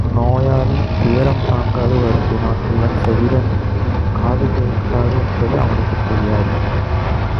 நோயாளி—துயரம் தாங்காது வருந்தினான்—இவன் செவிடன், காது கேட்காது என்பது அவனுக்குத் தெரியாது.